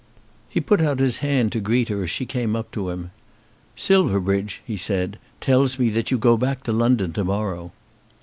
He put out his hand to greet her as she came up to him. "Silverbridge," he said, "tells me that you go back to London to morrow."